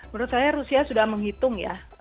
menurut saya rusia sudah menghitung ya